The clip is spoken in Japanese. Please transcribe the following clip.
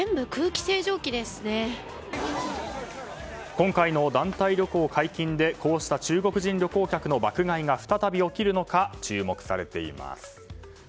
今回の団体旅行解禁でこうした中国人旅行客の爆買いが再び起きるのか注目されています。